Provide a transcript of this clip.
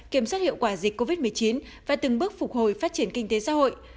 kiểm soát hiệu quả dịch covid một mươi chín và từng bước phục hồi phát triển kinh tế xã hội